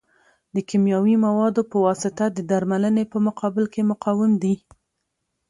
د کیمیاوي موادو په واسطه د درملنې په مقابل کې مقاوم دي.